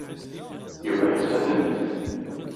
Yuba yeɣs ad nemmet.